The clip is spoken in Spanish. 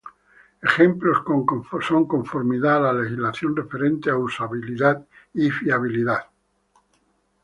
Ejemplos son conformidad a la legislación referente a usabilidad y fiabilidad.